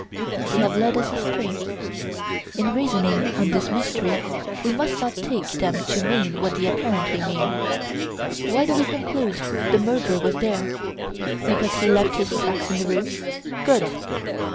"They have led us astray. In reasoning on this mystery we must not take them to mean what they apparently mean. Why do we conclude the murderer was there? Because he left his tracks in the room? Good!